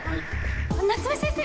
夏目先生！